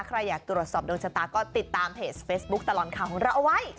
ใครอยากตรวจสอบดวงชะตาก็ติดตามเพจเฟซบุ๊คตลอดข่าวของเราเอาไว้